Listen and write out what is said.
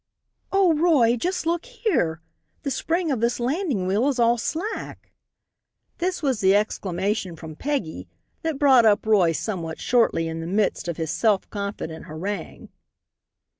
"Oh, Roy! Just look here! The spring of this landing wheel is all slack!" This was the exclamation from Peggy that brought up Roy somewhat shortly in the midst of his self confident harangue.